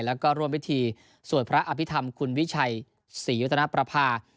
แล้วก็ร่วมพิธีสวดพระอภิษฐรรมคุณวิชัยศรีวัฒนประภา